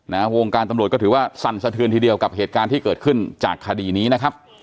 วงการตำรวจก็ถือว่าสั่นสะเทือนทีเดียวกับเหตุการณ์ที่เกิดขึ้นจากคดีนี้นะครับ